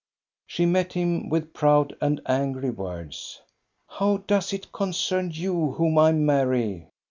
She met him with proud and angry words. " How does it concern you whom I marry?